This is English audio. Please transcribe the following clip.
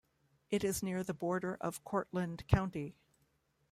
It is near the border of Cortland County.